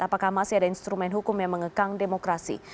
apakah masih ada instrumen hukum yang mengekang demokrasi